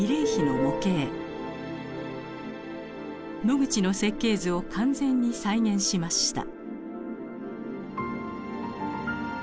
ノグチの設計図を完全に再現しました。